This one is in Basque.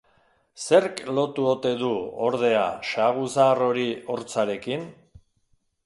Zerk lotu ote du, ordea, saguzahar hori hortzarekin?